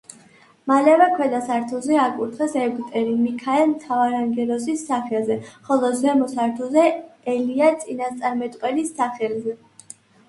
მალევე ქვედა სართულზე აკურთხეს ეგვტერი მიქაელ მთავარანგელოზის სახელზე, ხოლო ზემო სართულზე ელია წინასწარმეტყველის სახელზე.